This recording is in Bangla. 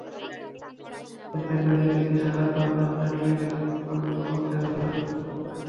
এতে করে একদিকে সারাক্ষণ যানজট লেগে থাকছে, অন্যদিকে পথচারী চলাচলেও সমস্যা হচ্ছে।